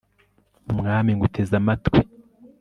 mwmi nguteze amatwi